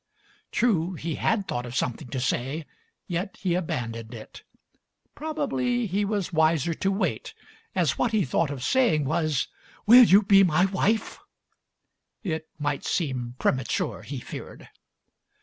True, he had thought of something to say, yet he abandoned it. Probably he was wiser to wait, as what he thought of saying was: "Will you be my wife?" It might seem premature, he feared.